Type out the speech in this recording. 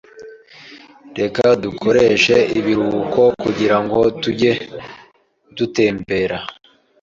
Reka dukoreshe ibiruhuko kugirango tujye gutembera.